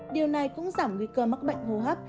điều này cũng giảm nguy cơ mắc bệnh hô hấp